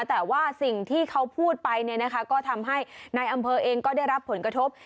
แต่ว่าสิ่งที่เขาพูดไปก็ทำให้นายอำเภอเองก็ได้รับผลกระทบ